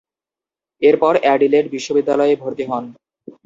এরপর অ্যাডিলেড বিশ্ববিদ্যালয়ে ভর্তি হন।